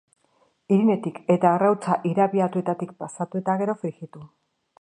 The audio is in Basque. Irinetik eta arrautza irabiatuetatik pasatu eta gero, frijitu.